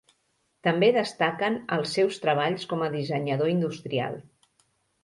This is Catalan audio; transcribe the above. També destaquen els seus treballs com a dissenyador industrial.